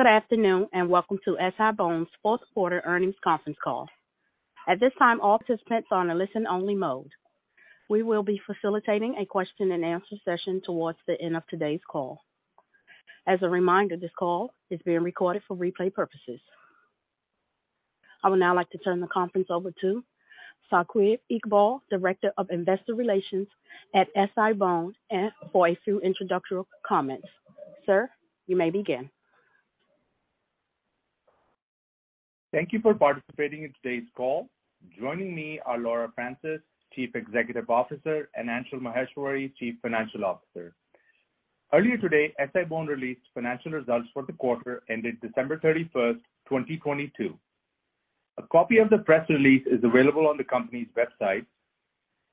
Good afternoon, welcome to SI-BONE's fourth quarter earnings conference call. At this time, all participants are on a listen-only mode. We will be facilitating a question-and-answer session towards the end of today's call. As a reminder, this call is being recorded for replay purposes. I would now like to turn the conference over to Saqib Iqbal, Director of Investor Relations at SI-BONE, [FY] introductory comments. Sir, you may begin. Thank you for participating in today's call. Joining me are Laura Francis, Chief Executive Officer, and Anshul Maheshwari, Chief Financial Officer. Earlier today, SI-BONE released financial results for the quarter ending December 31st, 2022. A copy of the press release is available on the company's website.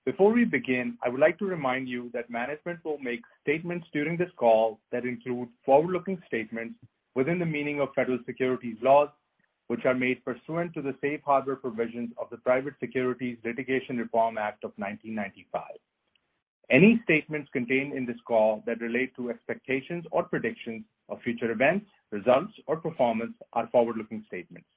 Before we begin, I would like to remind you that management will make statements during this call that include forward-looking statements within the meaning of Federal Securities laws, which are made pursuant to the safe harbor provisions of the Private Securities Litigation Reform Act of 1995. Any statements contained in this call that relate to expectations or predictions of future events, results, or performance are forward-looking statements.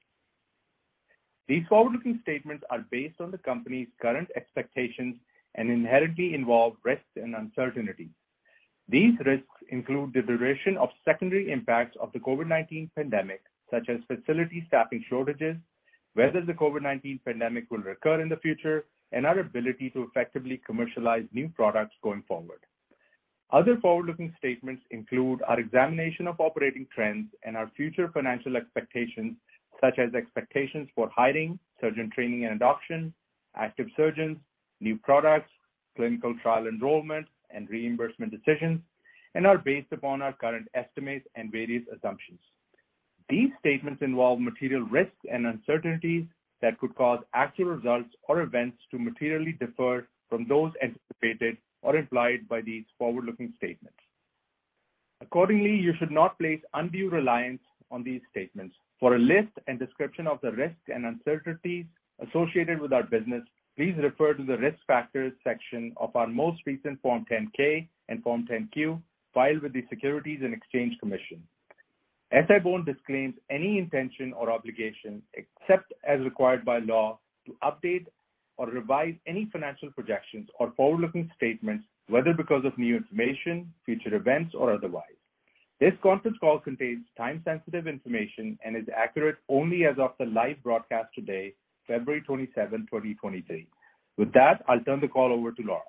These forward-looking statements are based on the company's current expectations and inherently involve risks and uncertainty. These risks include the duration of secondary impacts of the COVID-19 pandemic, such as facility staffing shortages, whether the COVID-19 pandemic will recur in the future, and our ability to effectively commercialize new products going forward. Other forward-looking statements include our examination of operating trends and our future financial expectations, such as expectations for hiring, surgeon training and adoption, active surgeons, new products, clinical trial enrollment, and reimbursement decisions, and are based upon our current estimates and various assumptions. These statements involve material risks and uncertainties that could cause actual results or events to materially differ from those anticipated or implied by these forward-looking statements. Accordingly, you should not place undue reliance on these statements. For a list and description of the risks and uncertainties associated with our business, please refer to the Risk Factors section of our most recent Form 10-K and Form 10-Q filed with the Securities and Exchange Commission. SI-BONE disclaims any intention or obligation, except as required by law, to update or revise any financial projections or forward-looking statements, whether because of new information, future events, or otherwise. This conference call contains time-sensitive information and is accurate only as of the live broadcast today, February 27, 2023. With that, I'll turn the call over to Laura.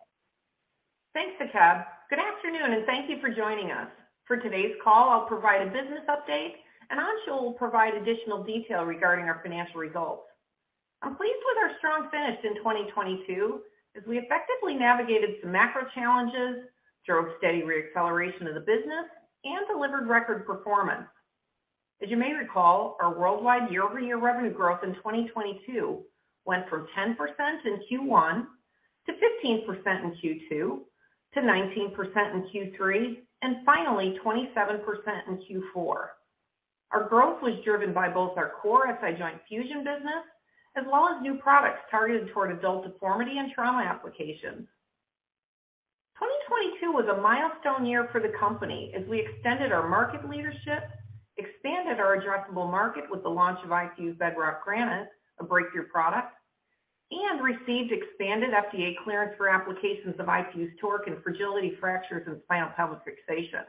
Thanks, Saqib. Good afternoon, and thank you for joining us. For today's call, I'll provide a business update, and Anshul will provide additional detail regarding our financial results. I'm pleased with our strong finish in 2022 as we effectively navigated some macro challenges, drove steady re-acceleration of the business, and delivered record performance. As you may recall, our worldwide year-over-year revenue growth in 2022 went from 10% in Q1 to 15% in Q2 to 19% in Q3, and finally 27% in Q4. Our growth was driven by both our core SI joint fusion business as well as new products targeted toward adult deformity and trauma applications. 2022 was a milestone year for the company as we extended our market leadership, expanded our addressable market with the launch of iFuse Bedrock Granite, a breakthrough product, and received expanded FDA clearance for applications of iFuse TORQ in fragility fractures and spinopelvic fixation.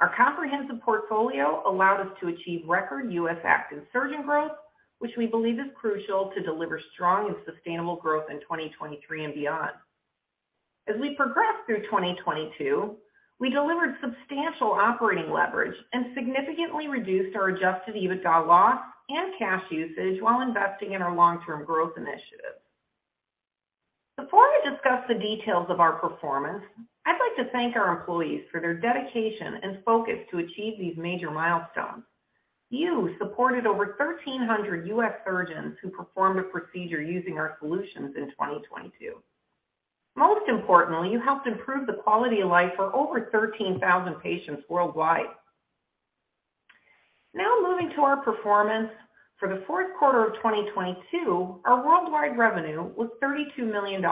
Our comprehensive portfolio allowed us to achieve record U.S. active surgeon growth, which we believe is crucial to deliver strong and sustainable growth in 2023 and beyond. As we progressed through 2022, we delivered substantial operating leverage and significantly reduced our Adjusted EBITDA loss and cash usage while investing in our long-term growth initiatives. Before we discuss the details of our performance, I'd like to thank our employees for their dedication and focus to achieve these major milestones. You supported over 1,300 U.S. surgeons who performed a procedure using our solutions in 2022. Most importantly, you helped improve the quality of life for over 13,000 patients worldwide. Now, moving to our performance. For the fourth quarter of 2022, our worldwide revenue was $32 million,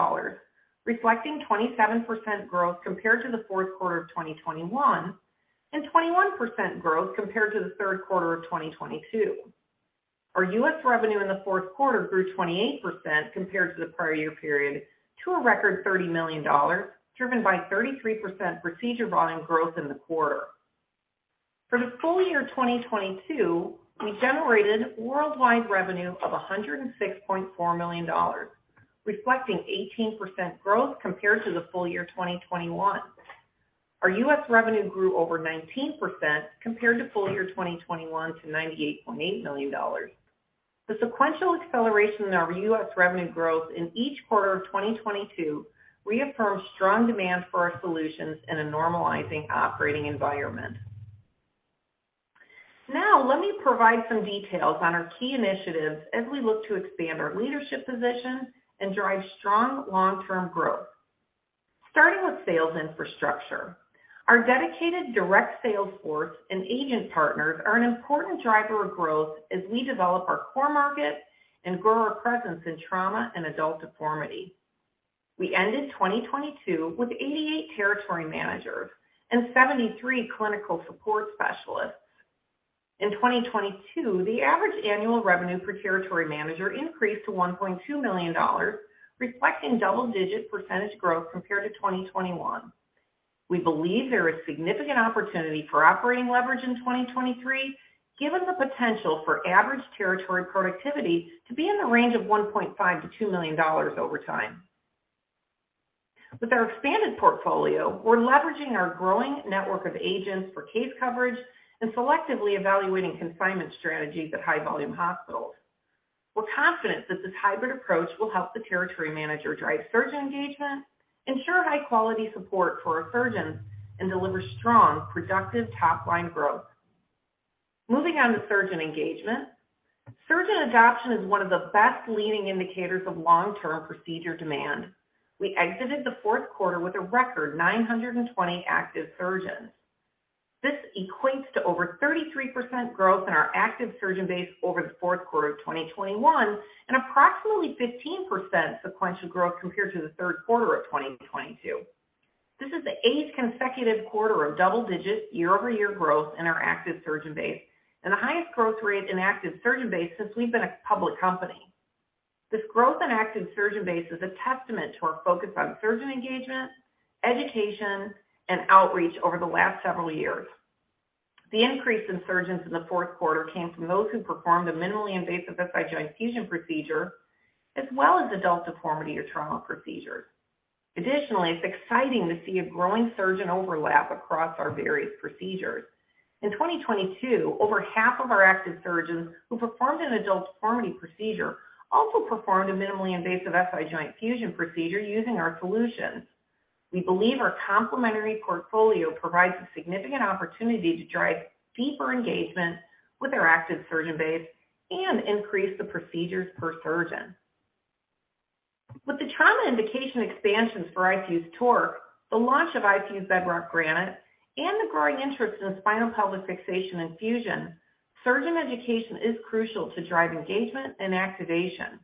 reflecting 27% growth compared to the fourth quarter of 2021 and 21% growth compared to the third quarter of 2022. Our U.S. revenue in the fourth quarter grew 28% compared to the prior year period to a record $30 million, driven by 33% procedure volume growth in the quarter. For the full year 2022, we generated worldwide revenue of $106.4 million, reflecting 18% growth compared to the full year 2021. Our U.S. revenue grew over 19% compared to full year 2021 to $98.8 million. The sequential acceleration in our U.S. revenue growth in each quarter of 2022 reaffirms strong demand for our solutions in a normalizing operating environment. Let me provide some details on our key initiatives as we look to expand our leadership position and drive strong long-term growth. Starting with sales infrastructure. Our dedicated direct sales force and agent partners are an important driver of growth as we develop our core market and grow our presence in trauma and adult deformity. We ended 2022 with 88 territory managers and 73 clinical support specialists. In 2022, the average annual revenue per territory manager increased to $1.2 million, reflecting double-digit percentage growth compared to 2021. We believe there is significant opportunity for operating leverage in 2023, given the potential for average territory productivity to be in the range of $1.5 million-$2 million over time. With our expanded portfolio, we're leveraging our growing network of agents for case coverage and selectively evaluating consignment strategies at high-volume hospitals. We're confident that this hybrid approach will help the territory manager drive surgeon engagement, ensure high-quality support for our surgeons and deliver strong, productive top-line growth. Moving on to surgeon engagement. Surgeon adoption is one of the best leading indicators of long-term procedure demand. We exited the fourth quarter with a record 920 active surgeons. This equates to over 33% growth in our active surgeon base over the fourth quarter of 2021 and approximately 15% sequential growth compared to the third quarter of 2022. This is the eight consecutive quarter of double-digit year-over-year growth in our active surgeon base and the highest growth rate in active surgeon base since we've been a public company. This growth in active surgeon base is a testament to our focus on surgeon engagement, education, and outreach over the last several years. The increase in surgeons in the fourth quarter came from those who performed a minimally invasive SI joint fusion procedure, as well as adult deformity or trauma procedures. It's exciting to see a growing surgeon overlap across our various procedures. In 2022, over half of our active surgeons who performed an adult deformity procedure also performed a minimally invasive SI joint fusion procedure using our solutions. We believe our complementary portfolio provides a significant opportunity to drive deeper engagement with our active surgeon base and increase the procedures per surgeon. With the trauma indication expansions for iFuse TORQ, the launch of iFuse Bedrock Granite, and the growing interest in spinopelvic fixation and fusion, surgeon education is crucial to drive engagement and activation.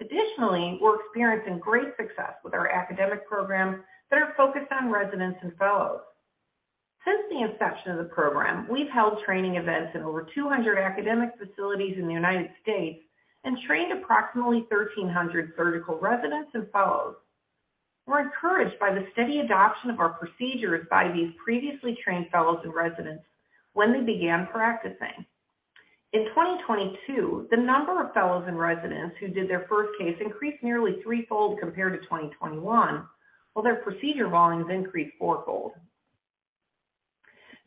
Additionally, we're experiencing great success with our academic programs that are focused on residents and fellows. Since the inception of the program, we've held training events in over 200 academic facilities in the United States and trained approximately 1,300 surgical residents and fellows. We're encouraged by the steady adoption of our procedures by these previously trained fellows and residents when they began practicing. In 2022, the number of fellows and residents who did their first case increased nearly threefold compared to 2021, while their procedure volumes increased fourfold.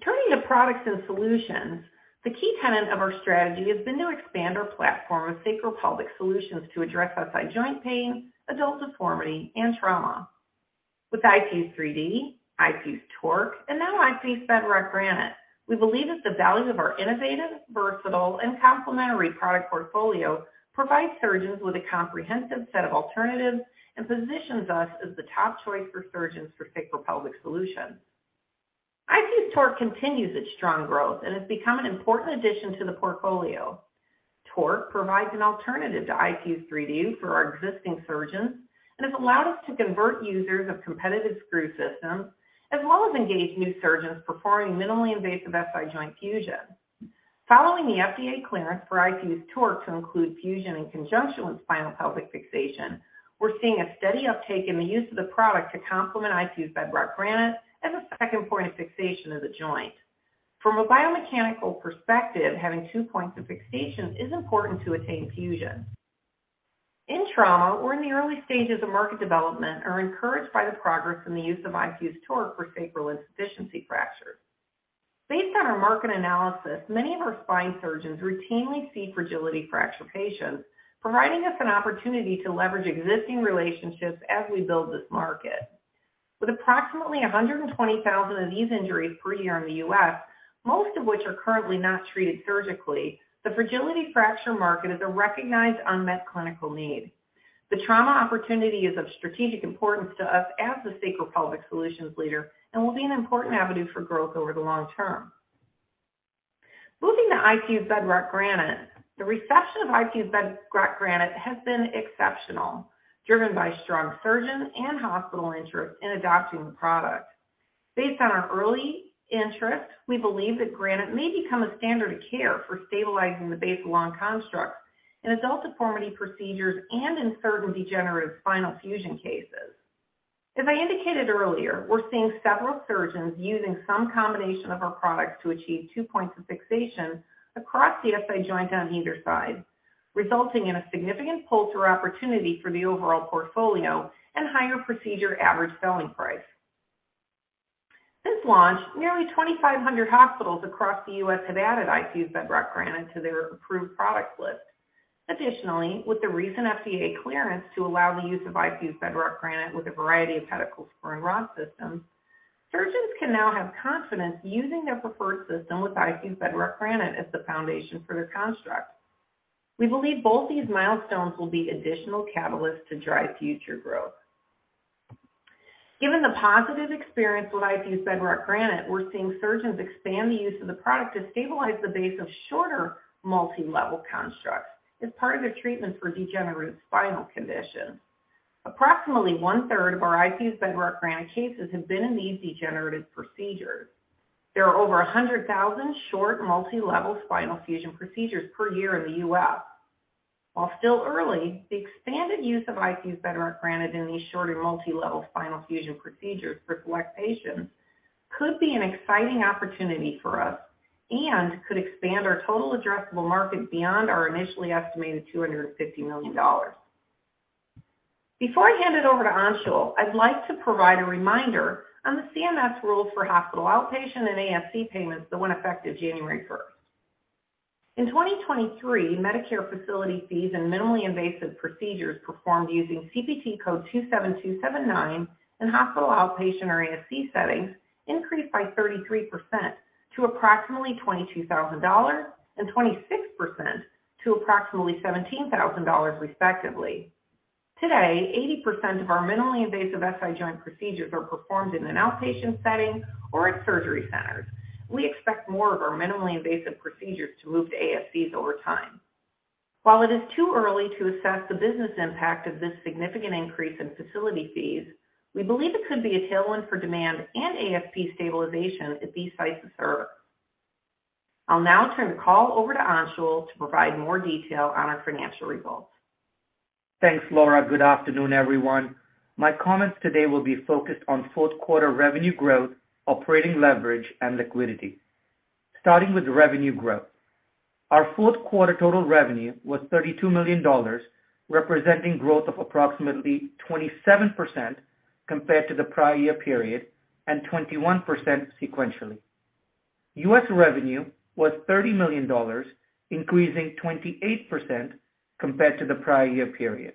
Turning to products and solutions, the key tenet of our strategy has been to expand our platform of sacropelvic solutions to address SI joint pain, adult deformity, and trauma. With iFuse 3D, iFuse TORQ, and now iFuse Bedrock Granite, we believe that the value of our innovative, versatile, and complementary product portfolio provides surgeons with a comprehensive set of alternatives and positions us as the top choice for surgeons for sacropelvic solutions. iFuse TORQ continues its strong growth and has become an important addition to the portfolio. TORQ provides an alternative to iFuse 3D for our existing surgeons and has allowed us to convert users of competitive screw systems, as well as engage new surgeons performing minimally invasive SI joint fusion. Following the FDA clearance for iFuse TORQ to include fusion in conjunction with spinopelvic fixation, we're seeing a steady uptake in the use of the product to complement iFuse Bedrock Granite as a second point of fixation of the joint. From a biomechanical perspective, having two points of fixation is important to attain fusion. In trauma, we're in the early stages of market development and are encouraged by the progress in the use of iFuse TORQ for sacral insufficiency fractures. Based on our market analysis, many of our spine surgeons routinely see fragility fracture patients, providing us an opportunity to leverage existing relationships as we build this market. With approximately 120,000 of these injuries per year in the U.S., most of which are currently not treated surgically, the fragility fracture market is a recognized unmet clinical need. The trauma opportunity is of strategic importance to us as the sacropelvic solutions leader and will be an important avenue for growth over the long term. Moving to iFuse Bedrock Granite. The reception of iFuse Bedrock Granite has been exceptional, driven by strong surgeon and hospital interest in adopting the product. Based on our early interest, we believe that Granite may become a standard of care for stabilizing the basal bone construct in adult deformity procedures and in certain degenerative spinal fusion cases. As I indicated earlier, we're seeing several surgeons using some combination of our products to achieve two points of fixation across the SI joint on either side, resulting in a significant pull-through opportunity for the overall portfolio and higher procedure average selling price. Since launch, nearly 2,500 hospitals across the U.S. have added iFuse Bedrock Granite to their approved product list. Additionally, with the recent FDA clearance to allow the use of iFuse Bedrock Granite with a variety of pedicle screw and rod systems, surgeons can now have confidence using their preferred system with iFuse Bedrock Granite as the foundation for their construct. We believe both these milestones will be additional catalysts to drive future growth. Given the positive experience with iFuse Bedrock Granite, we're seeing surgeons expand the use of the product to stabilize the base of shorter multi-level constructs as part of their treatments for degenerative spinal conditions. Approximately 1/3 of our iFuse Bedrock Granite cases have been in these degenerative procedures. There are over 100,000 short multi-level spinal fusion procedures per year in the U.S. While still early, the expanded use of iFuse Bedrock Granite in these shorter multi-level spinal fusion procedures for select patients could be an exciting opportunity for us and could expand our total addressable market beyond our initially estimated $250 million. Before I hand it over to Anshul, I'd like to provide a reminder on the CMS rule for hospital outpatient and ASC payments that went effective January 1st. In 2023, Medicare facility fees and minimally invasive procedures performed using CPT code 27279 in hospital outpatient or ASC settings increased by 33% to approximately $22,000 and 26% to approximately $17,000 respectively. Today, 80% of our minimally invasive SI joint procedures are performed in an outpatient setting or at surgery centers. We expect more of our minimally invasive procedures to move to ASCs over time. While it is too early to assess the business impact of this significant increase in facility fees, we believe it could be a tailwind for demand and ASC stabilization at these sites observed. I'll now turn the call over to Anshul to provide more detail on our financial results. Thanks, Laura. Good afternoon, everyone. My comments today will be focused on fourth-quarter revenue growth, operating leverage, and liquidity. Starting with revenue growth. Our fourth quarter total revenue was $32 million, representing growth of approximately 27% compared to the prior year period and 21% sequentially. U.S. revenue was $30 million, increasing 28% compared to the prior year period.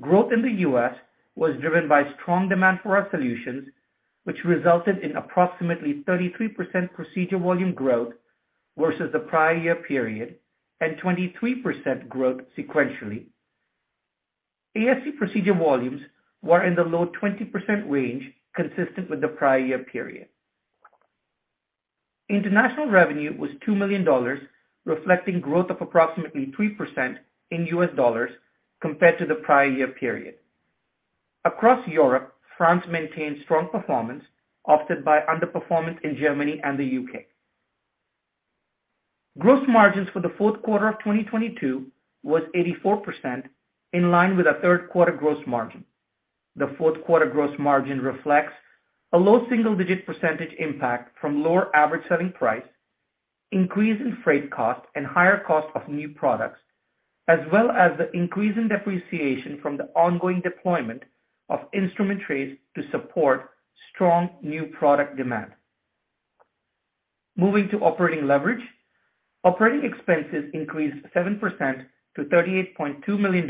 Growth in the U.S. was driven by strong demand for our solutions, which resulted in approximately 33% procedure volume growth versus the prior year period and 23% growth sequentially. ASC procedure volumes were in the low 20% range, consistent with the prior year period. International revenue was $2 million, reflecting growth of approximately 3% in U.S. dollars compared to the prior year period. Across Europe, France maintained strong performance, offset by underperformance in Germany and the U.K. Gross margins for the fourth quarter of 2022 was 84% in line with the third quarter gross margin. The fourth quarter gross margin reflects a low single-digit percentage impact from lower average selling price, increase in freight cost, and higher cost of new products, as well as the increase in depreciation from the ongoing deployment of instrument trays to support strong new product demand. Moving to operating leverage. Operating expenses increased 7% to $38.2 million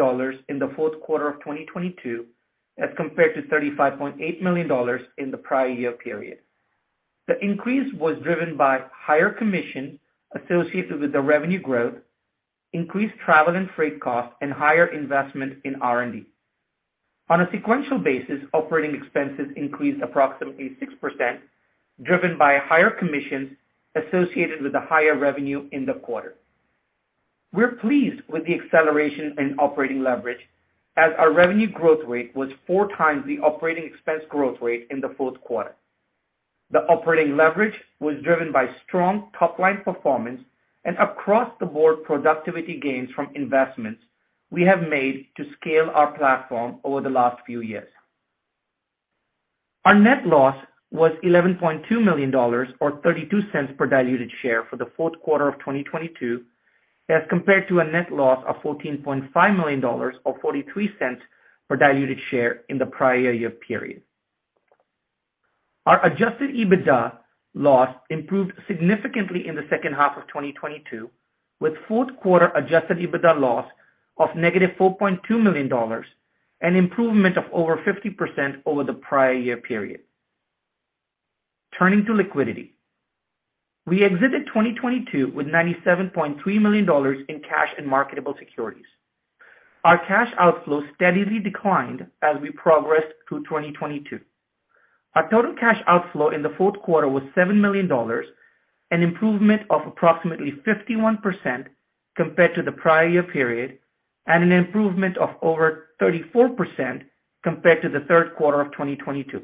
in the fourth quarter of 2022 as compared to $35.8 million in the prior year period. The increase was driven by higher commission associated with the revenue growth, increased travel and freight costs, and higher investment in R&D. On a sequential basis, operating expenses increased approximately 6%, driven by higher commissions associated with the higher revenue in the quarter. We're pleased with the acceleration in operating leverage as our revenue growth rate was 4x the operating expense growth rate in the fourth quarter. The operating leverage was driven by strong top-line performance and across-the-board productivity gains from investments we have made to scale our platform over the last few years. Our net loss was $11.2 million or $0.32 per diluted share for the fourth quarter of 2022 as compared to a net loss of $14.5 million or $0.43 per diluted share in the prior year period. Our Adjusted EBITDA loss improved significantly in the second half of 2022, with fourth quarter Adjusted EBITDA loss of -$4.2 million, an improvement of over 50% over the prior year period. Turning to liquidity. We exited 2022 with $97.3 million in cash and marketable securities. Our cash outflow steadily declined as we progressed through 2022. Our total cash outflow in the fourth quarter was $7 million, an improvement of approximately 51% compared to the prior year period, and an improvement of over 34% compared to the third quarter of 2022.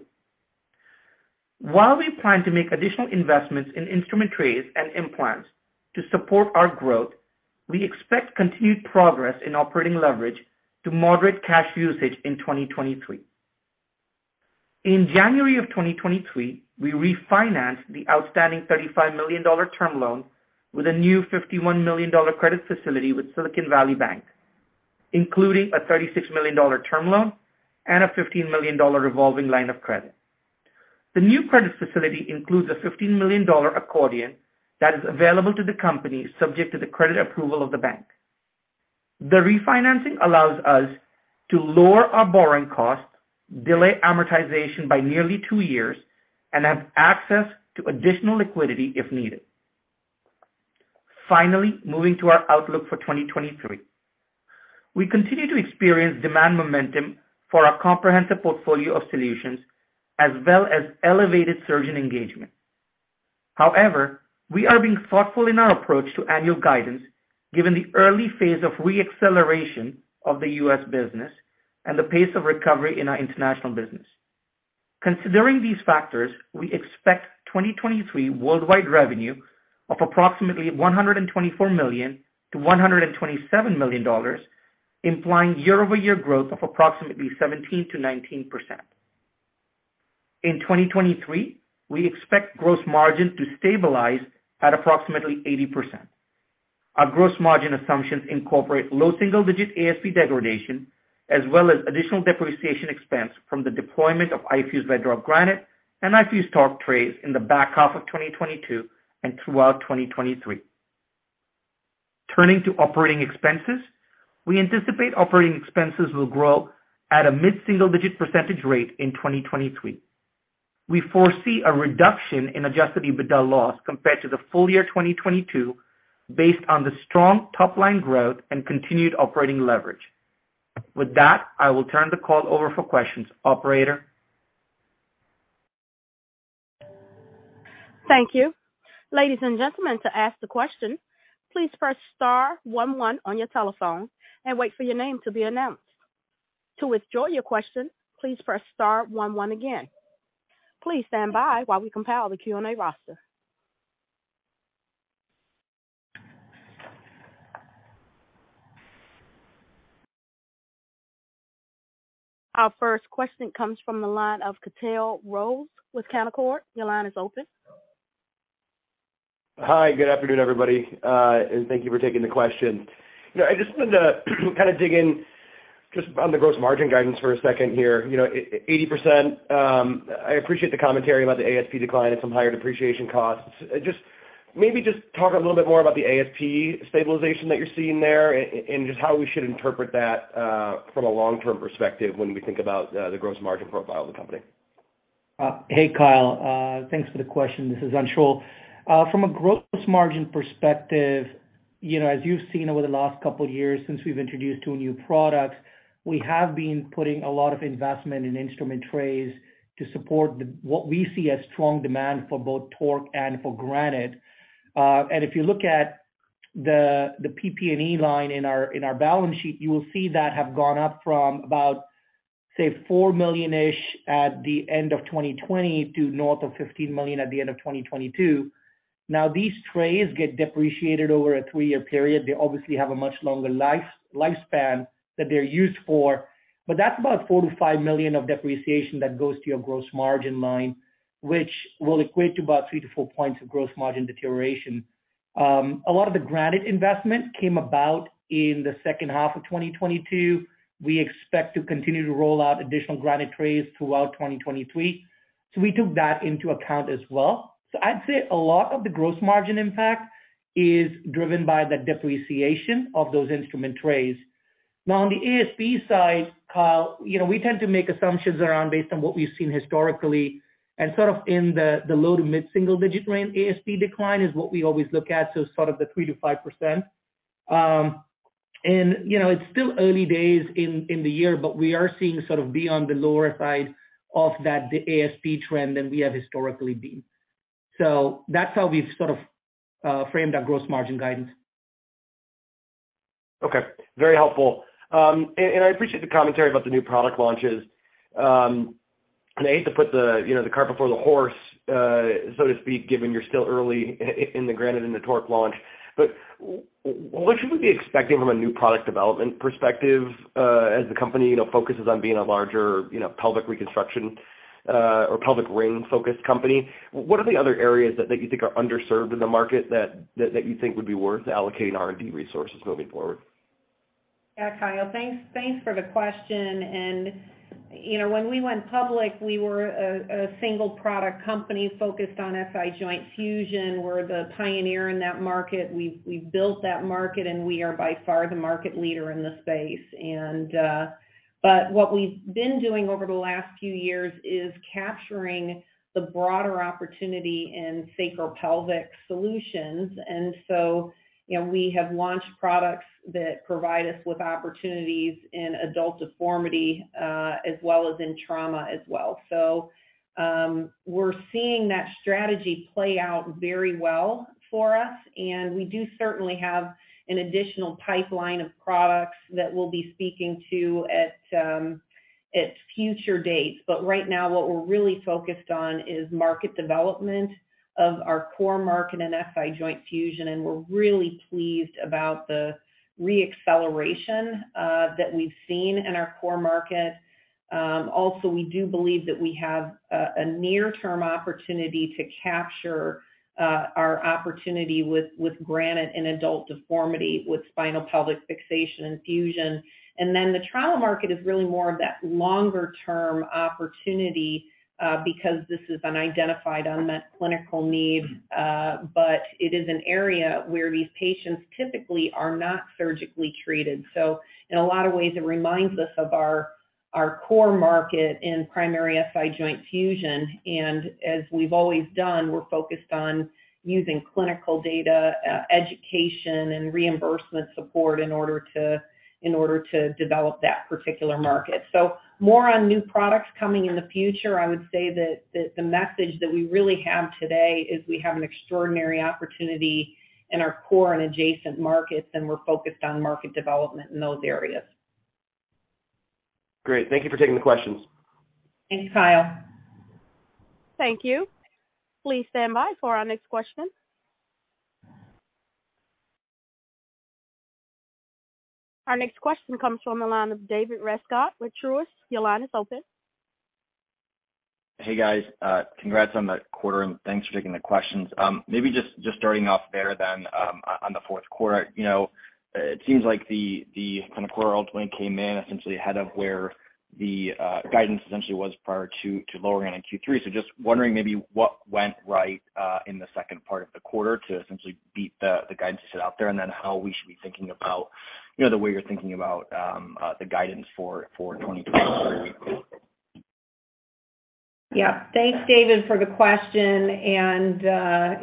While we plan to make additional investments in instrument trays and implants to support our growth, we expect continued progress in operating leverage to moderate cash usage in 2023. In January of 2023, we refinanced the outstanding $35 million term loan with a new $51 million credit facility with Silicon Valley Bank, including a $36 million term loan and a $15 million revolving line of credit. The new credit facility includes a $15 million accordion that is available to the company subject to the credit approval of the bank. The refinancing allows us to lower our borrowing costs, delay amortization by nearly two years, and have access to additional liquidity if needed. Moving to our outlook for 2023. We continue to experience demand momentum for our comprehensive portfolio of solutions as well as elevated surgeon engagement. We are being thoughtful in our approach to annual guidance given the early phase of re-acceleration of the U.S. business and the pace of recovery in our international business. Considering these factors, we expect 2023 worldwide revenue of approximately $124 million-$127 million, implying year-over-year growth of approximately 17%-19%. In 2023, we expect gross margin to stabilize at approximately 80%. Our gross margin assumptions incorporate low single-digit ASP degradation as well as additional depreciation expense from the deployment of iFuse Bedrock Granite and iFuse TORQ trays in the back half of 2022 and throughout 2023. Turning to operating expenses, we anticipate operating expenses will grow at a mid-single digit percentage rate in 2023. We foresee a reduction in Adjusted EBITDA loss compared to the full year 2022 based on the strong top line growth and continued operating leverage. With that, I will turn the call over for questions. Operator? Thank you. Ladies and gentlemen, to ask the question, please press star one one on your telephone and wait for your name to be announced. To withdraw your question, please press star one one again. Please stand by while we compile the Q&A roster. Our first question comes from the line of Kyle Rose with Canaccord. Your line is open. Hi, good afternoon, everybody, and thank you for taking the question. You know, I just wanted to kind of dig in just on the gross margin guidance for a second here. You know, 80%, I appreciate the commentary about the ASP decline and some higher depreciation costs. Just, maybe just talk a little bit more about the ASP stabilization that you're seeing there and just how we should interpret that from a long-term perspective when we think about the gross margin profile of the company. Hey, Kyle. Thanks for the question. This is Anshul. From a gross margin perspective, you know, as you've seen over the last couple of years since we've introduced two new products, we have been putting a lot of investment in instrument trays to support the, what we see as strong demand for both TORQ and for Granite. If you look at the PP&E line in our balance sheet, you will see that have gone up from about, say, $4 million-ish at the end of 2020 to north of $15 million at the end of 2022. Now these trays get depreciated over a three-year period. They obviously have a much longer life, lifespan that they're used for. That's about $4 million-$5 million of depreciation that goes to your gross margin line, which will equate to about 3-4 points of gross margin deterioration. A lot of the iFuse Bedrock Granite investment came about in the second half of 2022. We expect to continue to roll out additional iFuse Bedrock Granite trays throughout 2023. We took that into account as well. I'd say a lot of the gross margin impact is driven by the depreciation of those instrument trays. On the ASP side, Kyle, you know, we tend to make assumptions around based on what we've seen historically and sort of in the low to mid single-digit range ASP decline is what we always look at. Sort of the 3%-5%. You know, it's still early days in the year, but we are seeing sort of beyond the lower side of that, the ASP trend than we have historically been. That's how we've sort of framed our gross margin guidance. Okay. Very helpful. And I appreciate the commentary about the new product launches. And I hate to put the, you know, the cart before the horse, so to speak, given you're still early in the Granite and the TORQ launch. What should we be expecting from a new product development perspective, as the company, you know, focuses on being a larger, you know, pelvic reconstruction, or pelvic ring-focused company? What are the other areas that you think are underserved in the market that you think would be worth allocating R&D resources moving forward? Yeah, Kyle, thanks for the question. You know, when we went public, we were a single product company focused on SI joint fusion. We're the pioneer in that market. We built that market, and we are by far the market leader in the space. But what we've been doing over the last few years is capturing the broader opportunity in sacropelvic solutions. So, you know, we have launched products that provide us with opportunities in adult deformity, as well as in trauma as well. We're seeing that strategy play out very well for us, and we do certainly have an additional pipeline of products that we'll be speaking to at future dates. Right now, what we're really focused on is market development of our core market and SI joint fusion, and we're really pleased about the re-acceleration that we've seen in our core market. Also, we do believe that we have a near-term opportunity to capture our opportunity with granite and adult deformity with spinal pelvic fixation and fusion. Then the trauma market is really more of that longer-term opportunity because this is an identified unmet clinical need, but it is an area where these patients typically are not surgically treated. So in a lot of ways, it reminds us of our core market in primary SI joint fusion. As we've always done, we're focused on using clinical data, education, and reimbursement support in order to develop that particular market. More on new products coming in the future. I would say that the message that we really have today is we have an extraordinary opportunity in our core and adjacent markets, and we're focused on market development in those areas. Great. Thank you for taking the questions. Thank you, Kyle. Thank you. Please stand by for our next question. Our next question comes from the line of David Rescott with Truist. Your line is open. Hey, guys. Congrats on the quarter, thanks for taking the questions. Maybe just starting off there then, on the fourth quarter. You know, it seems like the kind of quarter ultimately came in essentially ahead of where the guidance essentially was prior to lowering it in Q3. Just wondering maybe what went right in the second part of the quarter to essentially beat the guidance set out there, and then how we should be thinking about, you know, the way you're thinking about the guidance for 2023. Yeah. Thanks, David, for the question.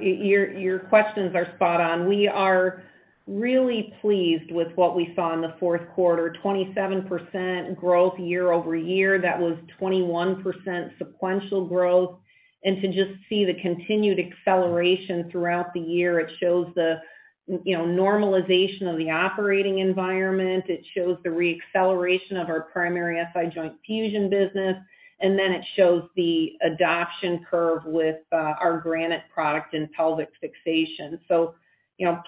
Your questions are spot on. We are really pleased with what we saw in the fourth quarter, 27% growth year-over-year. That was 21% sequential growth. To just see the continued acceleration throughout the year, it shows the, you know, normalization of the operating environment. It shows the re-acceleration of our primary SI joint fusion business. It shows the adoption curve with our Granite product and pelvic fixation. You know,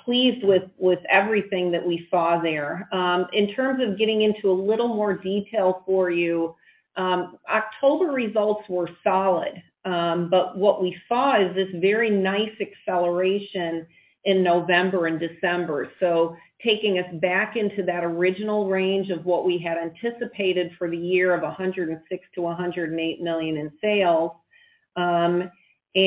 pleased with everything that we saw there. In terms of getting into a little more detail for you, October results were solid. What we saw is this very nice acceleration in November and December. Taking us back into that original range of what we had anticipated for the year of $106 million-$108 million in sales.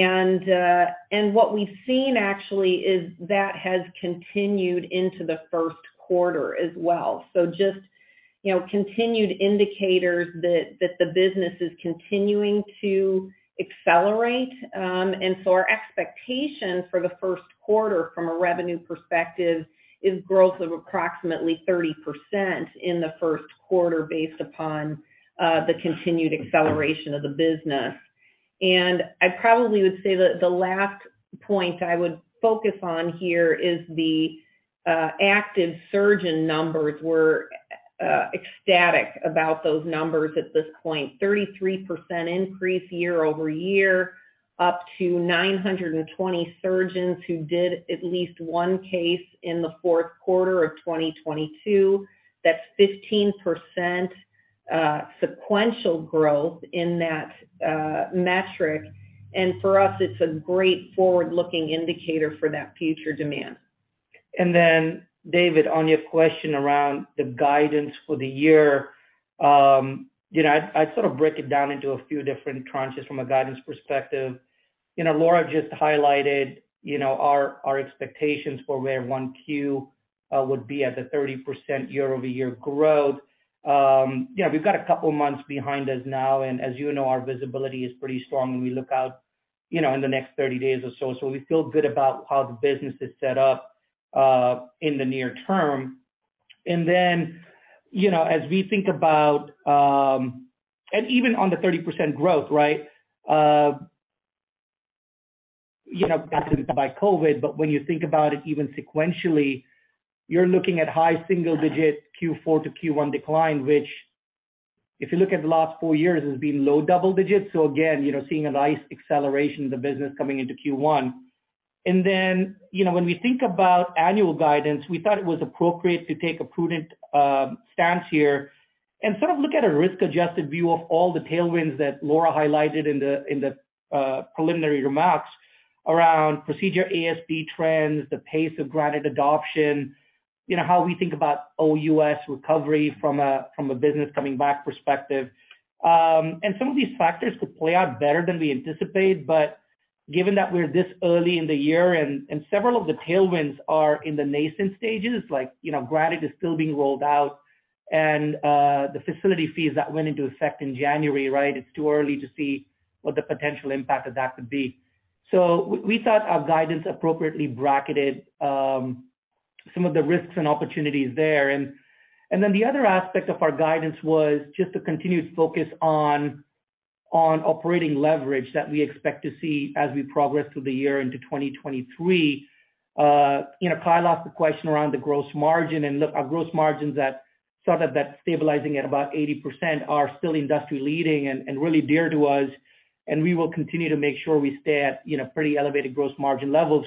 And what we've seen actually is that has continued into the first quarter as well. Just, you know, continued indicators that the business is continuing to accelerate. Our expectation for the first quarter from a revenue perspective is growth of approximately 30% in the first quarter based upon the continued acceleration of the business. I probably would say that the last point I would focus on here is the active surgeon numbers were ecstatic about those numbers at this point. 33% increase year-over-year, up to 920 surgeons who did at least one case in the fourth quarter of 2022. That's 15% sequential growth in that metric. For us, it's a great forward-looking indicator for that future demand. Then David, on your question around the guidance for the year, you know, I'd sort of break it down into a few different tranches from a guidance perspective. You know, Laura just highlighted, you know, our expectations for where 1Q would be at the 30% year-over-year growth. Yeah, we've got a couple months behind us now, and as you know, our visibility is pretty strong when we look out, you know, in the next 30 days or so. We feel good about how the business is set up in the near term. Then, you know, as we think about, and even on the 30% growth, right? You know, by COVID, when you think about it even sequentially, you're looking at high single-digit Q4 to Q1 decline, which if you look at the last four years, has been low double-digits. Again, you know, seeing a nice acceleration of the business coming into Q1. You know, when we think about annual guidance, we thought it was appropriate to take a prudent stance here and sort of look at a risk-adjusted view of all the tailwinds that Laura highlighted in the preliminary remarks around procedure ASP trends, the pace of Granite adoption, you know, how we think about OUS recovery from a business coming back perspective. Some of these factors could play out better than we anticipate, but given that we're this early in the year and several of the tailwinds are in the nascent stages, like, you know, Granite is still being rolled out and the facility fees that went into effect in January, right? It's too early to see what the potential impact of that could be. We thought our guidance appropriately bracketed, some of the risks and opportunities there. Then the other aspect of our guidance was just a continued focus on operating leverage that we expect to see as we progress through the year into 2023. You know, Kyle asked the question around the gross margin. Look, our gross margins that started that stabilizing at about 80% are still industry-leading and really dear to us, and we will continue to make sure we stay at, you know, pretty elevated gross margin levels.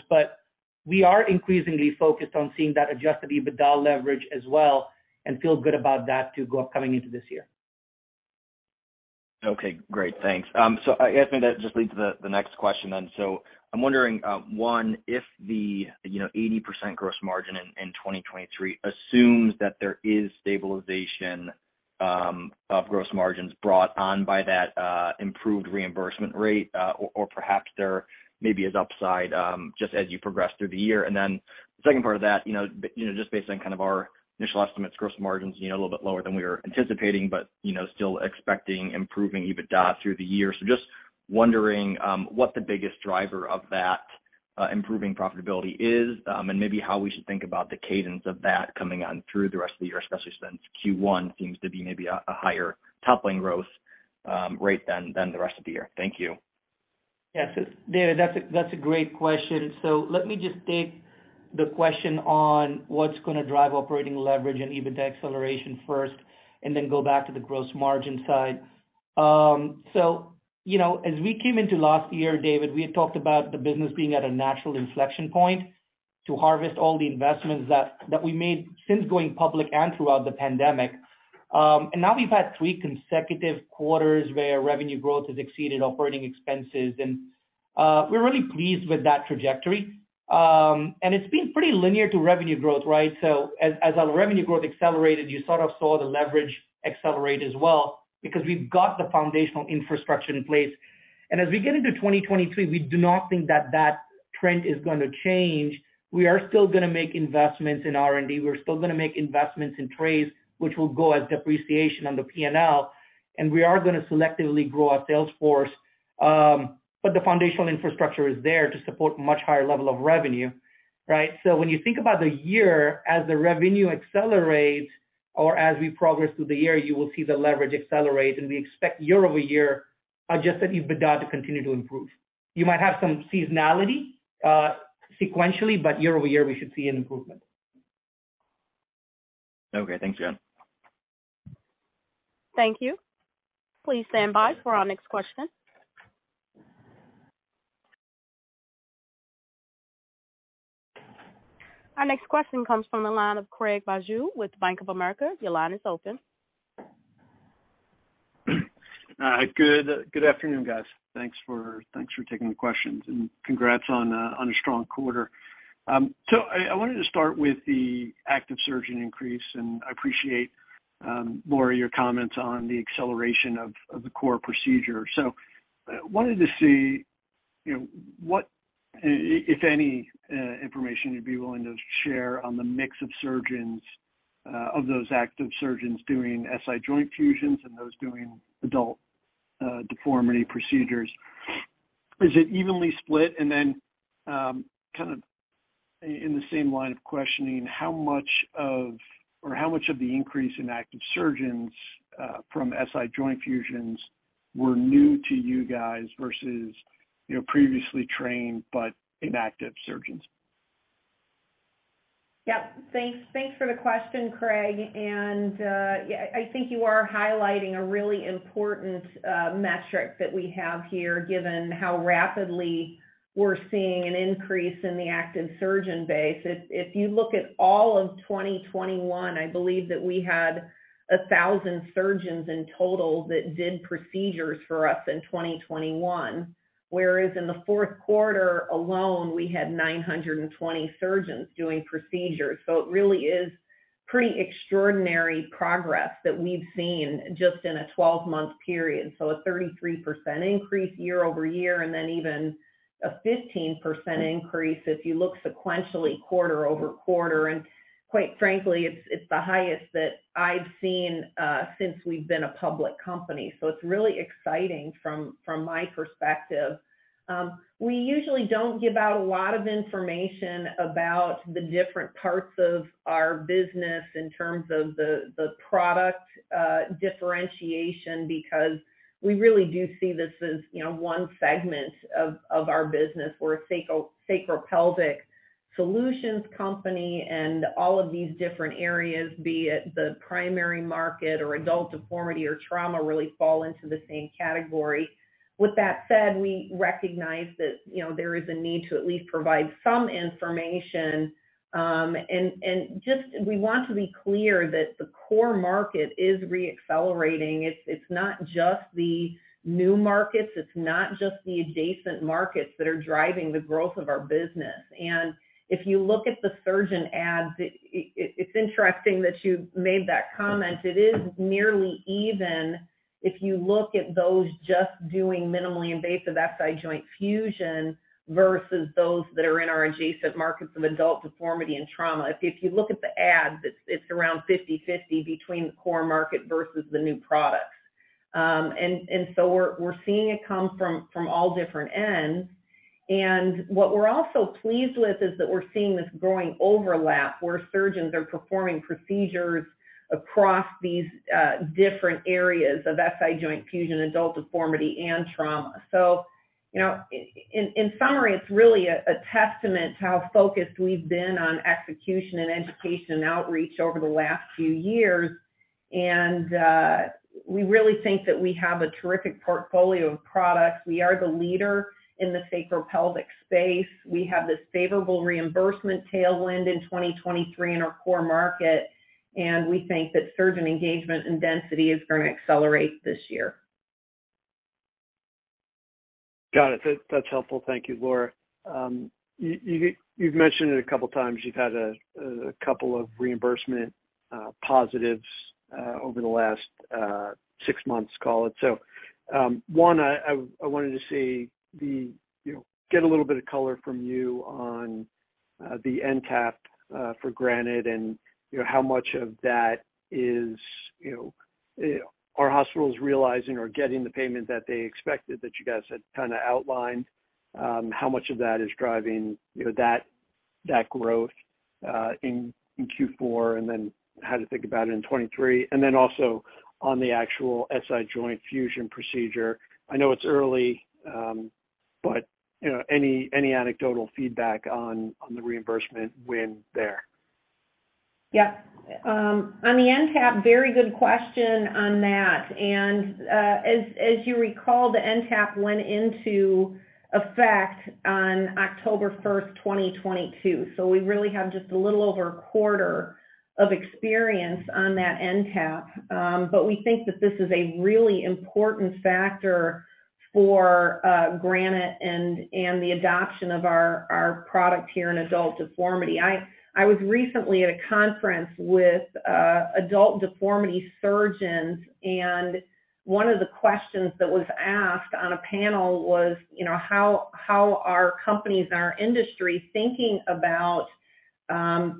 We are increasingly focused on seeing that Adjusted EBITDA leverage as well and feel good about that to go up coming into this year. Okay, great. Thanks. I guess maybe that just leads to the next question. I'm wondering, one, if the, you know, 80% gross margin in 2023 assumes that there is stabilization of gross margins brought on by that improved reimbursement rate, or perhaps there may be as upside just as you progress through the year. The second part of that, you know, just based on kind of our initial estimates, gross margins, you know, a little bit lower than we were anticipating, but, you know, still expecting improving EBITDA through the year. Just wondering what the biggest driver of that improving profitability is, and maybe how we should think about the cadence of that coming on through the rest of the year, especially since Q1 seems to be maybe a higher top-line growth rate than the rest of the year. Thank you. Yes. David, that's a, that's a great question. Let me just take the question on what's gonna drive operating leverage and EBITDA acceleration first and then go back to the gross margin side. you know, as we came into last year, David, we had talked about the business being at a natural inflection point to harvest all the investments that we made since going public and throughout the pandemic. Now we've had three consecutive quarters where revenue growth has exceeded operating expenses, and we're really pleased with that trajectory. It's been pretty linear to revenue growth, right? As our revenue growth accelerated, you sort of saw the leverage accelerate as well because we've got the foundational infrastructure in place. As we get into 2023, we do not think that that trend is gonna change. We are still gonna make investments in R&D. We're still gonna make investments in trays, which will go as depreciation on the P&L, and we are gonna selectively grow our sales force. The foundational infrastructure is there to support much higher level of revenue, right? When you think about the year as the revenue accelerates or as we progress through the year, you will see the leverage accelerate, and we expect year-over-year, just that EBITDA to continue to improve. You might have some seasonality, sequentially, but year-over-year, we should see an improvement. Okay. Thanks, Anshul. Thank you. Please stand by for our next question. Our next question comes from the line of Craig Bijou with Bank of America. Your line is open. Good afternoon, guys. Thanks for taking the questions and congrats on a strong quarter. I wanted to start with the active surgeon increase, and I appreciate, Laura, your comments on the acceleration of the core procedure. Wanted to see, you know, if any information you'd be willing to share on the mix of surgeons of those active surgeons doing SI joint fusions and those doing adult deformity procedures. Is it evenly split? Then kind of in the same line of questioning, how much of the increase in active surgeons from SI joint fusions were new to you guys versus, you know, previously trained but inactive surgeons? Yep. Thanks. Thanks for the question, Craig. Yeah, I think you are highlighting a really important metric that we have here given how rapidly we're seeing an increase in the active surgeon base. If you look at all of 2021, I believe that we had 1,000 surgeons in total that did procedures for us in 2021, whereas in the fourth quarter alone, we had 920 surgeons doing procedures. It really is pretty extraordinary progress that we've seen just in a 12-month period. A 33% increase year-over-year, even a 15% increase if you look sequentially quarter-over-quarter. Quite frankly, it's the highest that I've seen since we've been a public company. It's really exciting from my perspective. We usually don't give out a lot of information about the different parts of our business in terms of the product differentiation because we really do see this as, you know, one segment of our business. We're a sacropelvic solutions company and all of these different areas, be it the primary market or adult deformity or trauma, really fall into the same category. With that said, we recognize that, you know, there is a need to at least provide some information. Just we want to be clear that the core market is re-accelerating. It's not just the new markets, it's not just the adjacent markets that are driving the growth of our business. If you look at the surgeon adds, it's interesting that you made that comment. It is nearly even if you look at those just doing minimally invasive SI joint fusion versus those that are in our adjacent markets of adult deformity and trauma. If you look at the adds, it's around 50/50 between the core market versus the new products. We're seeing it come from all different ends. What we're also pleased with is that we're seeing this growing overlap where surgeons are performing procedures across these different areas of SI joint fusion, adult deformity, and trauma. You know, in summary, it's really a testament to how focused we've been on execution and education outreach over the last few years. We really think that we have a terrific portfolio of products. We are the leader in the sacropelvic space. We have this favorable reimbursement tailwind in 2023 in our core market, and we think that surgeon engagement and density is gonna accelerate this year. Got it. That's helpful. Thank you, Laura. You've mentioned it a couple times, you've had a couple of reimbursement positives over the last six months, call it. One, I wanted to see, you know, get a little bit of color from you on the NTAP for Granite and, you know, how much of that is, you know, are hospitals realizing or getting the payment that they expected that you guys had kinda outlined, how much of that is driving, you know, that growth in Q4, and then how to think about it in 2023? On the actual SI joint fusion procedure, I know it's early, but, you know, any anecdotal feedback on the reimbursement win there? Yeah. On the NTAP, very good question on that. As you recall, the NTAP went into effect on October 1st, 2022. We really have just a little over a quarter of experience on that NTAP. We think that this is a really important factor for Granite and the adoption of our product here in adult deformity. I was recently at a conference with adult deformity surgeons, one of the questions that was asked on a panel was, you know, how are companies in our industry thinking about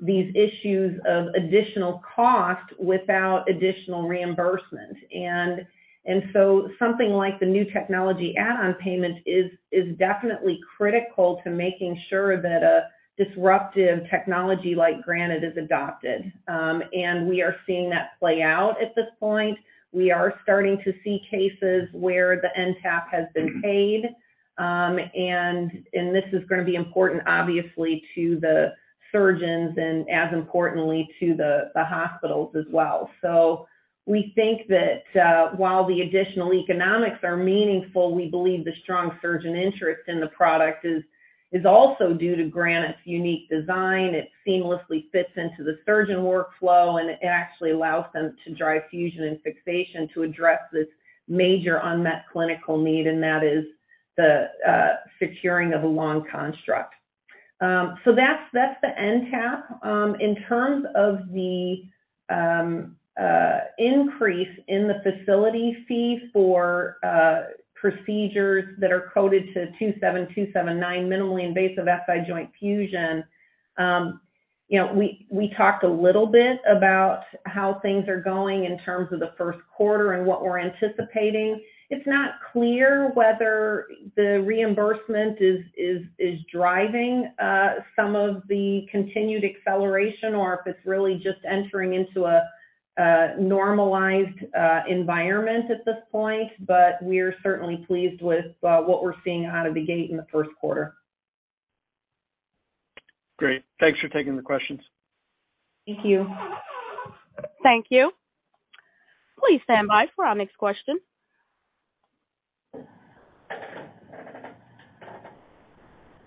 these issues of additional cost without additional reimbursement. Something like the new technology add-on payment is definitely critical to making sure that a disruptive technology like Granite is adopted. We are seeing that play out at this point. We are starting to see cases where the NTAP has been paid. This is gonna be important, obviously, to the surgeons and as importantly to the hospitals as well. We think that, while the additional economics are meaningful, we believe the strong surgeon interest in the product is also due to Granite's unique design. It seamlessly fits into the surgeon workflow, and it actually allows them to drive fusion and fixation to address this major unmet clinical need, and that is the securing of a long construct. That's the NTAP. In terms of the increase in the facility fee for procedures that are coded to 27279 minimally invasive SI joint fusion, you know, we talked a little bit about how things are going in terms of the first quarter and what we're anticipating. It's not clear whether the reimbursement is driving some of the continued acceleration or if it's really just entering into a normalized environment at this point. We're certainly pleased with what we're seeing out of the gate in the first quarter. Great. Thanks for taking the questions. Thank you. Thank you. Please stand by for our next question.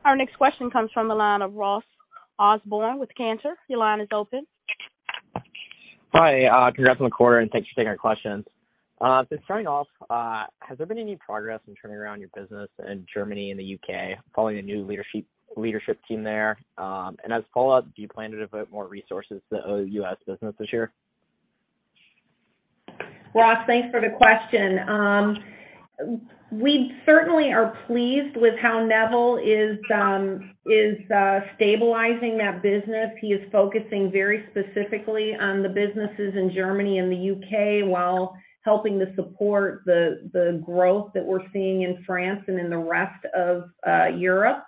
Our next question comes from the line of Ross Osborn with Cantor. Your line is open. Hi, congrats on the quarter. Thanks for taking our questions. Just starting off, has there been any progress in turning around your business in Germany and the U.K., following the new leadership team there? As a follow-up, do you plan to devote more resources to OUS business this year? Ross, thanks for the question. We certainly are pleased with how Neville is stabilizing that business. He is focusing very specifically on the businesses in Germany and the U.K. while helping to support the growth that we're seeing in France and in the rest of Europe.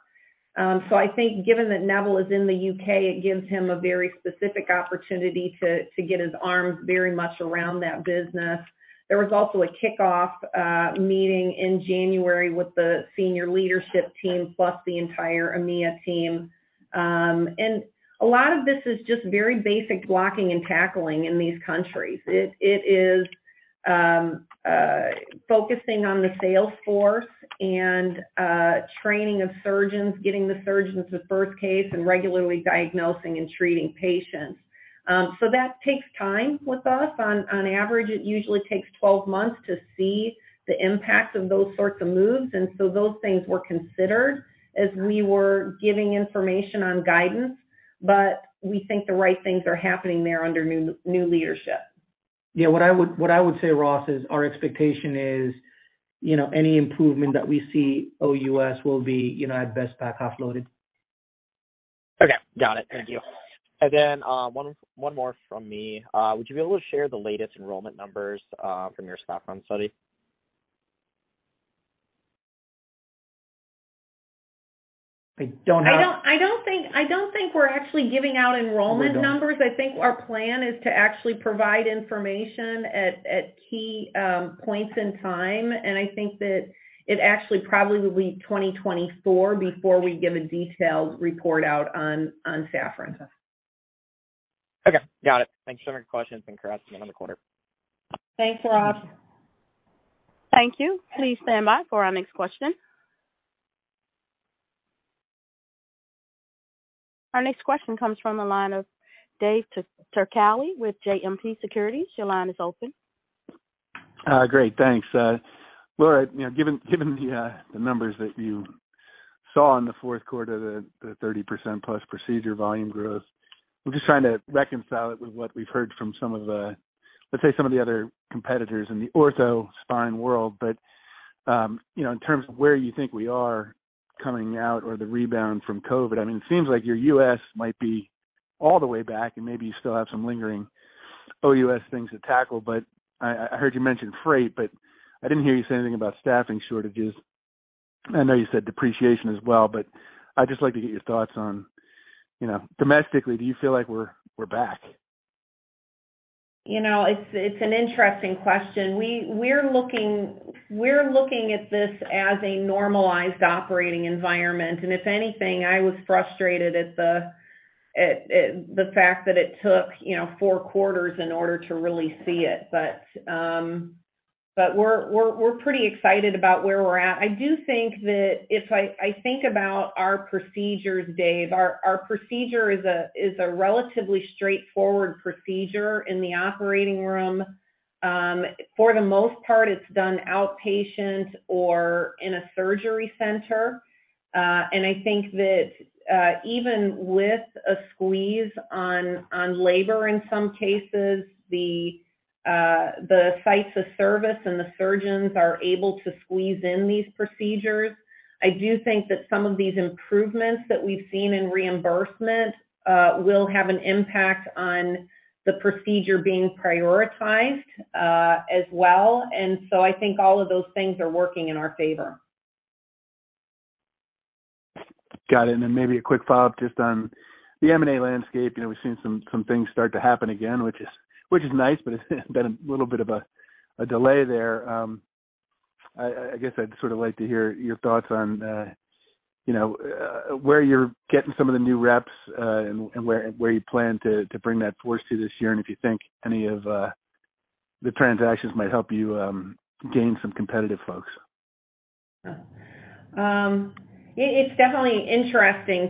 I think given that Neville is in the U.K., it gives him a very specific opportunity to get his arms very much around that business. There was also a kickoff meeting in January with the senior leadership team, plus the entire EMEA team. A lot of this is just very basic blocking and tackling in these countries. It is focusing on the sales force and training of surgeons, getting the surgeons the first case, and regularly diagnosing and treating patients. That takes time with us. On average, it usually takes 12 months to see the impact of those sorts of moves. Those things were considered as we were giving information on guidance. We think the right things are happening there under new leadership. Yeah, what I would say, Ross, is our expectation is, you know, any improvement that we see OUS will be, you know, at best back half loaded. Okay. Got it. Thank you. One more from me. Would you be able to share the latest enrollment numbers from your SAFFRON study? I don't have- I don't think we're actually giving out enrollment numbers. We don't. I think our plan is to actually provide information at key points in time, and I think that it actually probably will be 2024 before we give a detailed report out on SAFFRON. Okay. Got it. Thanks for taking the questions and congrats again on the quarter. Thanks, Ross. Thank you. Please stand by for our next question. Our next question comes from the line of David Turkaly with JMP Securities. Your line is open. Great, thanks. Laura, you know, given the numbers that you saw in the fourth quarter, the 30%+ procedure volume growth, I'm just trying to reconcile it with what we've heard from some of the, let's say, some of the other competitors in the ortho spine world. You know, in terms of where you think we are coming out or the rebound from COVID, I mean, it seems like your U.S. might be all the way back and maybe you still have some lingering OUS things to tackle. I heard you mention freight, but I didn't hear you say anything about staffing shortages. I know you said depreciation as well, but I'd just like to get your thoughts on, you know, domestically, do you feel like we're back? You know, it's an interesting question. We're looking at this as a normalized operating environment. If anything, I was frustrated at the fact that it took, you know, four quarters in order to really see it. We're pretty excited about where we're at. I do think that if I think about our procedures, Dave, our procedure is a relatively straightforward procedure in the operating room. For the most part, it's done outpatient or in a surgery center. I think that even with a squeeze on labor in some cases, the sites of service and the surgeons are able to squeeze in these procedures. I do think that some of these improvements that we've seen in reimbursement, will have an impact on the procedure being prioritized, as well. I think all of those things are working in our favor. Got it. Then maybe a quick follow-up just on the M&A landscape. You know, we've seen some things start to happen again, which is, which is nice, but it's been a little bit of a delay there. I guess I'd sort of like to hear your thoughts on, you know, where you're getting some of the new reps, and where you plan to bring that force to this year, and if you think any of the transactions might help you, gain some competitive folks. It's definitely interesting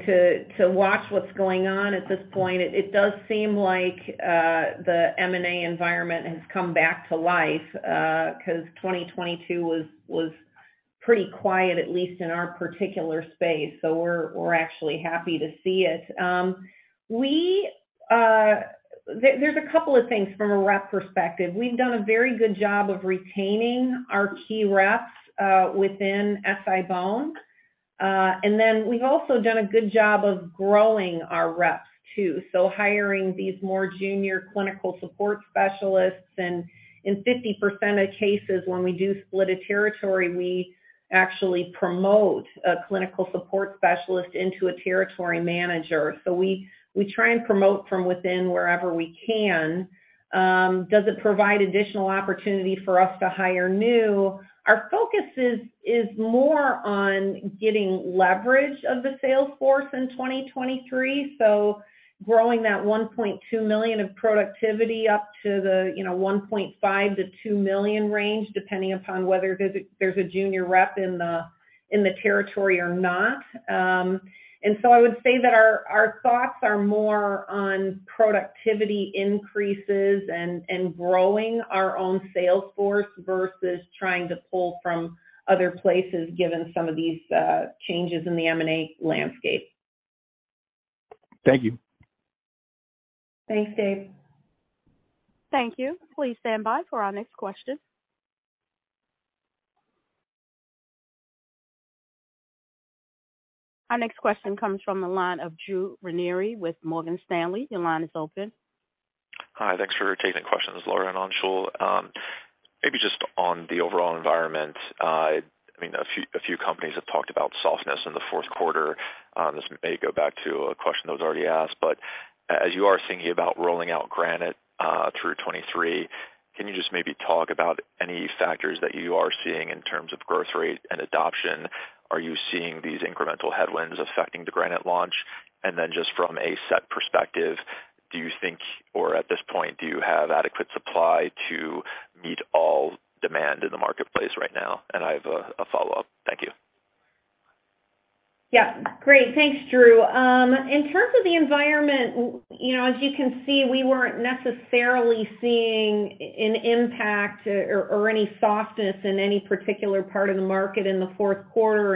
to watch what's going on at this point. It does seem like the M&A environment has come back to life 'cause 2022 was pretty quiet, at least in our particular space. We're actually happy to see it. There's a couple of things from a rep perspective. We've done a very good job of retaining our key reps within SI-BONE. We've also done a good job of growing our reps too. Hiring these more junior clinical support specialists. In 50% of cases, when we do split a territory, we actually promote a clinical support specialist into a territory manager. We try and promote from within wherever we can. Does it provide additional opportunity for us to hire new? Our focus is more on getting leverage of the sales force in 2023, growing that $1.2 million of productivity up to the, you know, $1.5 million-$2 million range, depending upon whether there's a junior rep in the territory or not. I would say that our thoughts are more on productivity increases and growing our own sales force versus trying to pull from other places, given some of these changes in the M&A landscape. Thank you. Thanks, Dave. Thank you. Please stand by for our next question. Our next question comes from the line of Drew Ranieri with Morgan Stanley. Your line is open. Hi. Thanks for taking the questions, Laura and Anshul. Maybe just on the overall environment, I mean, a few companies have talked about softness in the fourth quarter. This may go back to a question that was already asked, as you are thinking about rolling out Granite through 2023, can you just maybe talk about any factors that you are seeing in terms of growth rate and adoption? Are you seeing these incremental headwinds affecting the Granite launch? Just from a set perspective, do you think, or at this point, do you have adequate supply to meet all demand in the marketplace right now? I have a follow-up. Thank you. Yeah. Great. Thanks, Drew. In terms of the environment, you know, as you can see, we weren't necessarily seeing an impact or any softness in any particular part of the market in the fourth quarter.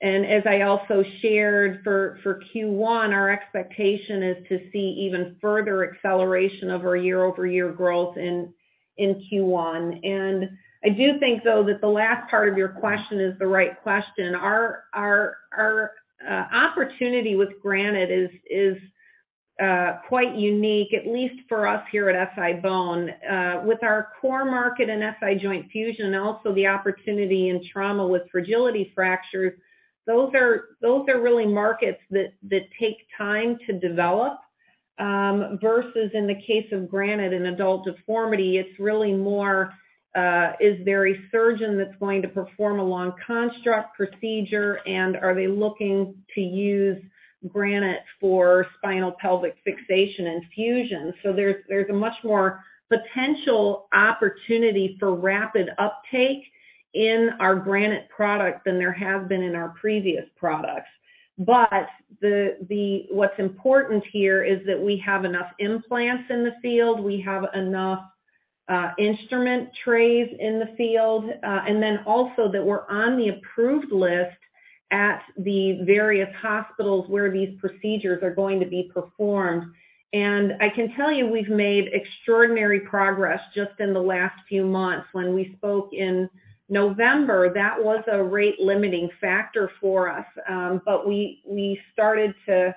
As I also shared for Q1, our expectation is to see even further acceleration of our year-over-year growth in Q1. I do think though that the last part of your question is the right question. Our opportunity with Granite is quite unique, at least for us here at SI-BONE. With our core market in SI joint fusion and also the opportunity in trauma with fragility fractures, those are really markets that take time to develop. Versus in the case of Granite and adult deformity, it's really more, is there a surgeon that's going to perform a long construct procedure and are they looking to use Granite for spinopelvic fixation and fusion? There's a much more potential opportunity for rapid uptake in our Granite product than there have been in our previous products. What's important here is that we have enough implants in the field. We have enough instrument trays in the field, and then also that we're on the approved list at the various hospitals where these procedures are going to be performed. I can tell you, we've made extraordinary progress just in the last few months. When we spoke in November, that was a rate-limiting factor for us. We started to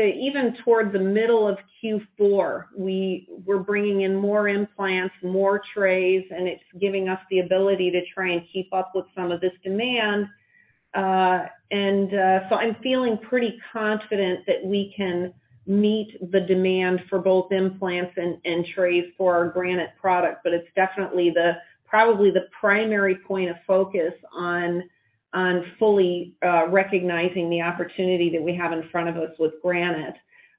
even towards the middle of Q4, we were bringing in more implants, more trays, and it's giving us the ability to try and keep up with some of this demand. I'm feeling pretty confident that we can meet the demand for both implants and trays for our Granite product, but it's definitely probably the primary point of focus on fully recognizing the opportunity that we have in front of us with Granite.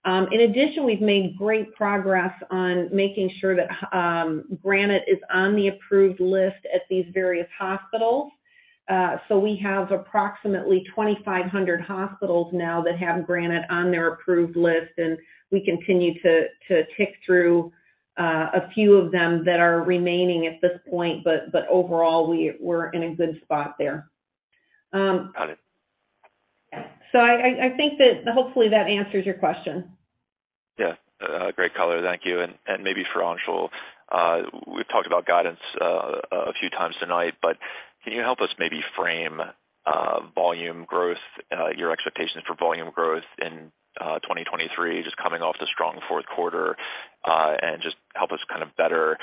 In addition, we've made great progress on making sure that Granite is on the approved list at these various hospitals. We have approximately 2,500 hospitals now that have Granite on their approved list, and we continue to tick through, a few of them that are remaining at this point, but overall, we're in a good spot there. Got it. I think that hopefully that answers your question. Yeah. A great color. Thank you. Maybe for Anshul. We've talked about guidance a few times tonight, can you help us maybe frame volume growth, your expectations for volume growth in 2023, just coming off the strong fourth quarter, and just help us kind of better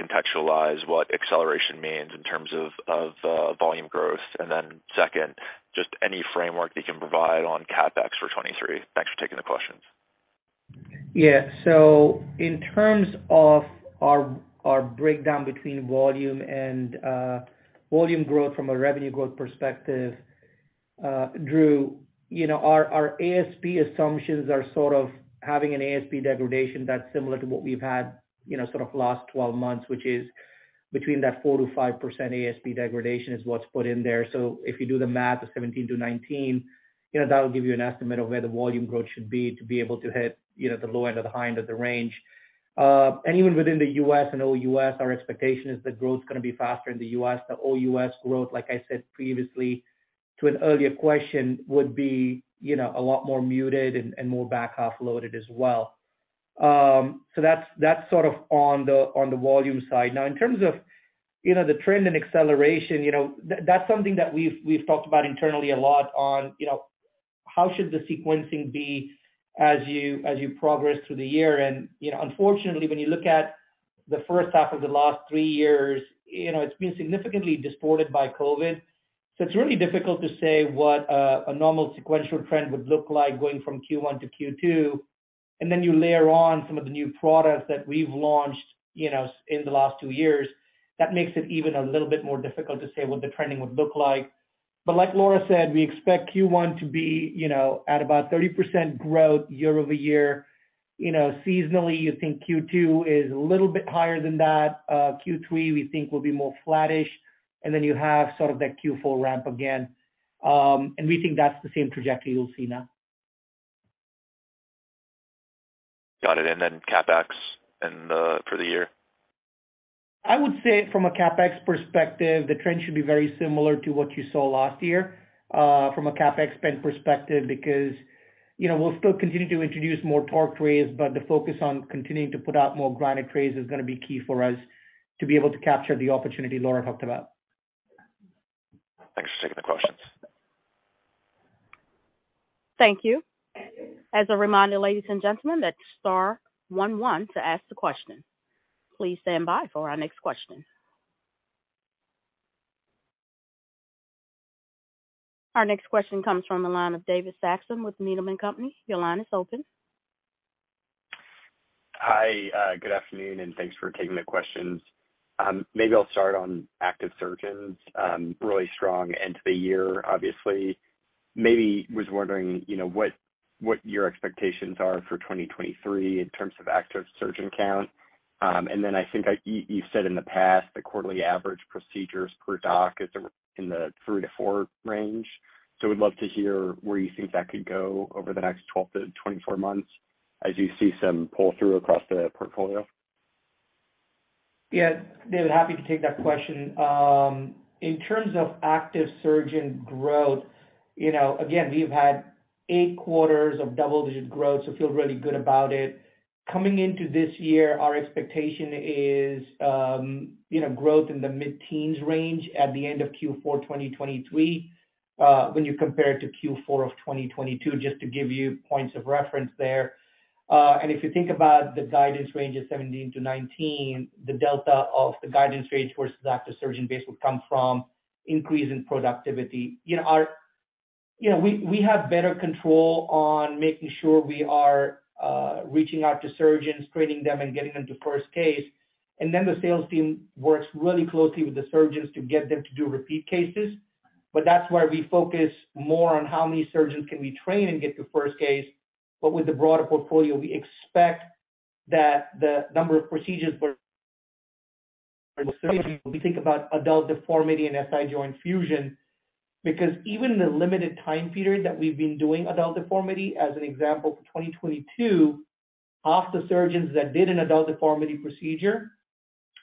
contextualize what acceleration means in terms of volume growth. Then second, just any framework you can provide on CapEx for 2023. Thanks for taking the questions. In terms of our breakdown between volume and volume growth from a revenue growth perspective, Drew, you know, our ASP assumptions are sort of having an ASP degradation that's similar to what we've had, you know, sort of last 12 months, which is between that 4%-5% ASP degradation is what's put in there. If you do the math of 17%-19%, you know, that'll give you an estimate of where the volume growth should be to be able to hit, you know, the low end or the high end of the range. Even within the U.S. and OUS, our expectation is that growth is gonna be faster in the U.S. The OUS growth, like I said previously to an earlier question, would be, you know, a lot more muted and more back-half loaded as well. That's, that's sort of on the volume side. Now, in terms of, you know, the trend and acceleration, you know, that's something that we've talked about internally a lot on, you know, how should the sequencing be as you, as you progress through the year. You know, unfortunately, when you look at the first half of the last three years, you know, it's been significantly distorted by COVID. It's really difficult to say what a normal sequential trend would look like going from Q1 to Q2. Then you layer on some of the new products that we've launched, you know, in the last two years, that makes it even a little bit more difficult to say what the trending would look like. Like Laura said, we expect Q1 to be, you know, at about 30% growth year-over-year. You know, seasonally, you think Q2 is a little bit higher than that. Q3, we think will be more flattish. Then you have sort of that Q4 ramp again. We think that's the same trajectory you'll see now. Got it. Then CapEx and for the year. I would say from a CapEx perspective, the trend should be very similar to what you saw last year, from a CapEx spend perspective because, you know, we'll still continue to introduce more TORQ trays, but the focus on continuing to put out more Granite trays is gonna be key for us to be able to capture the opportunity Laura talked about. Thanks for taking the questions. Thank you. As a reminder, ladies and gentlemen, that's star one one to ask the question. Please stand by for our next question. Our next question comes from the line of David Saxon with Needham & Company. Your line is open. Hi, good afternoon. Thanks for taking the questions. Maybe I'll start on active surgeons. Really strong end to the year, obviously. Maybe was wondering, you know, what your expectations are for 2023 in terms of active surgeon count. I think you've said in the past the quarterly average procedures per doc is in the three to four range. Would love to hear where you think that could go over the next 12-24 months as you see some pull-through across the portfolio. Yeah, David, happy to take that question. In terms of active surgeon growth, you know, again, we've had eight quarters of double-digit growth, so feel really good about it. Coming into this year, our expectation is, you know, growth in the mid-teens range at the end of Q4 2023, when you compare it to Q4 of 2022, just to give you points of reference there. If you think about the guidance range of 17%-19%, the delta of the guidance range versus active surgeon base would come from increase in productivity. You know, we have better control on making sure we are reaching out to surgeons, training them and getting them to first case. Then the sales team works really closely with the surgeons to get them to do repeat cases. That's where we focus more on how many surgeons can we train and get to first case. With the broader portfolio, we expect that the number of procedures. We think about adult deformity and SI joint fusion, because even in the limited time period that we've been doing adult deformity, as an example, for 2022, half the surgeons that did an adult deformity procedure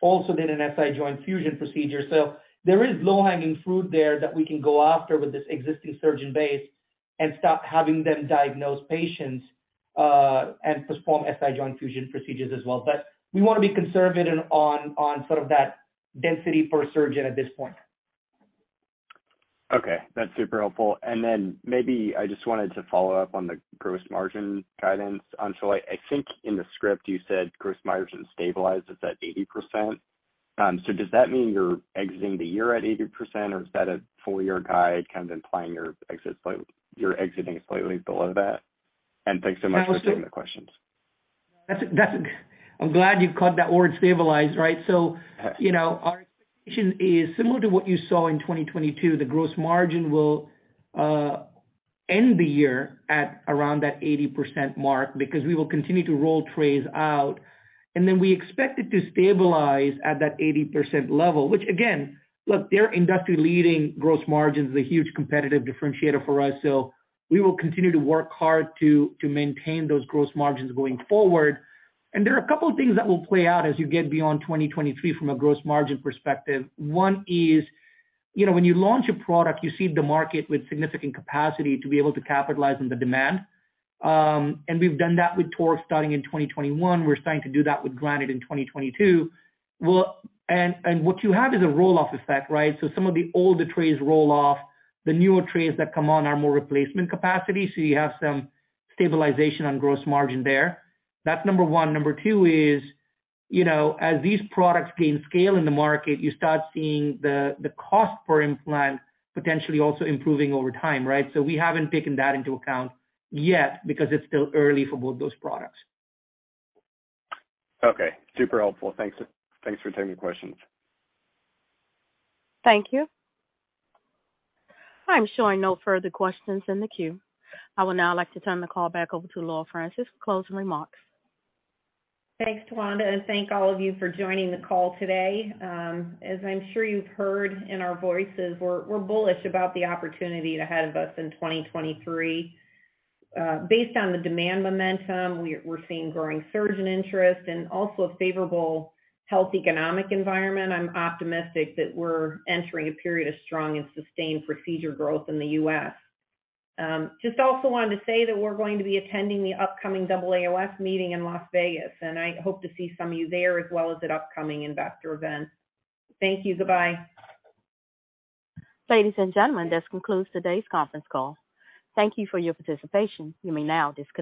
also did an SI joint fusion procedure. There is low-hanging fruit there that we can go after with this existing surgeon base and start having them diagnose patients and perform SI joint fusion procedures as well. We wanna be conservative on sort of that density per surgeon at this point. Okay, that's super helpful. Maybe I just wanted to follow up on the gross margin guidance. I think in the script you said gross margin stabilizes at 80%. Does that mean you're exiting the year at 80%, or is that a full-year guide kind of implying you're exiting slightly below that? Thanks so much for taking the questions. That's, I'm glad you caught that word stabilize, right? You know, our expectation is similar to what you saw in 2022, the gross margin will end the year at around that 80% mark because we will continue to roll trays out. Then we expect it to stabilize at that 80% level, which again, look, their industry leading gross margin is a huge competitive differentiator for us. We will continue to work hard to maintain those gross margins going forward. There are a couple of things that will play out as you get beyond 2023 from a gross margin perspective. One is, you know, when you launch a product, you seed the market with significant capacity to be able to capitalize on the demand. We've done that with TORQ starting in 2021. We're starting to do that with Granite in 2022. Well, what you have is a roll-off effect, right? Some of the older trays roll off. The newer trays that come on are more replacement capacity, so you have some stabilization on gross margin there. That's number one. Number two is, you know, as these products gain scale in the market, you start seeing the cost per implant potentially also improving over time, right? We haven't taken that into account yet because it's still early for both those products. Okay, super helpful. Thanks, thanks for taking the questions. Thank you. I'm showing no further questions in the queue. I would now like to turn the call back over to Laura Francis for closing remarks. Thanks, [Tawanda]. Thank all of you for joining the call today. As I'm sure you've heard in our voices, we're bullish about the opportunity ahead of us in 2023. Based on the demand momentum, we're seeing growing surgeon interest and also a favorable health economic environment. I'm optimistic that we're entering a period of strong and sustained procedure growth in the U.S. Just also wanted to say that we're going to be attending the upcoming AAOS meeting in Las Vegas, and I hope to see some of you there as well as at upcoming investor events. Thank you. Goodbye. Ladies and gentlemen, this concludes today's conference call. Thank you for your participation. You may now disconnect.